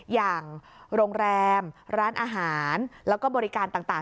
อย่างโรงแรมร้านอาหารแล้วก็บริการต่าง